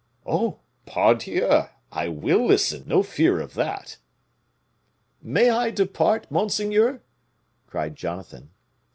"Oh! pardieu! I will listen, no fear of that." "May I depart, monseigneur?" cried Jonathan.